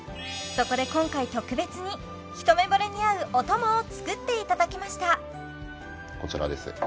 そこで今回特別にひとめぼれに合うお供を作っていただきましたこちらです